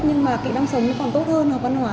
nhưng mà kỹ năng sống còn tốt hơn học văn hóa